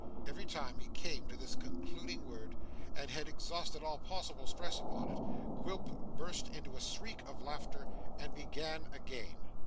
Every time he came to this concluding word, and had exhausted all possible stress upon it, Quilp burst into a shriek of laughter, and began again.